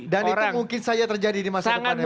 dan itu mungkin saja terjadi di masa depannya pak fuad ya